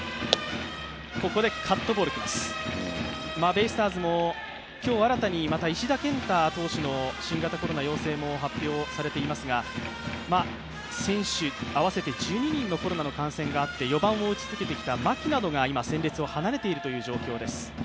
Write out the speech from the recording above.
ベイスターズも今日新たに石田健大投手の新型コロナ陽性も発表されていますが選手合わせて１２人のコロナの感染があって、４番を撃ち続けてきた牧などが戦列を離れています。